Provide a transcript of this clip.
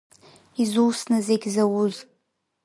Изусны зегь зауз.